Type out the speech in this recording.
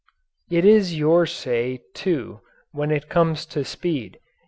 It is your say, too, when it comes to speed.